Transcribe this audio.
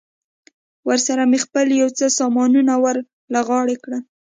ورسره مې خپل یو څه سامانونه ور له غاړې کړل.